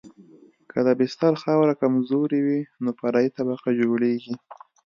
که د بستر خاوره کمزورې وي نو فرعي طبقه جوړیږي